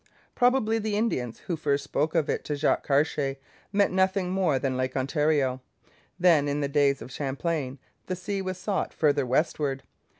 Probably the Indians who first spoke of it to Jacques Cartier meant nothing more than Lake Ontario. Then, in the days of Champlain, the sea was sought farther westward.